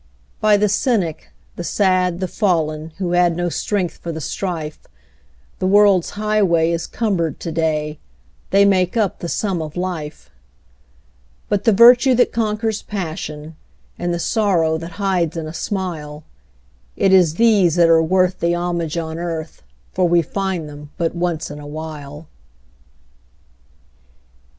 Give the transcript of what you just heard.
By the cynic, the sad, the fallen, Who had no strength for the strife, The world's highway is cumbered to day They make up the sum of life; But the virtue that conquers passion, And the sorrow that hides in a smile It is these that are worth the homage on earth, For we find them but once in a while.